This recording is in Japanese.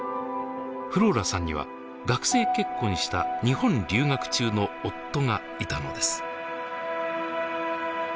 フローラさんには学生結婚した日本留学中の夫がいたのです。